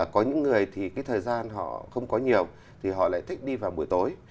có những người thì cái thời gian họ không có nhiều thì họ lại thích đi vào buổi tối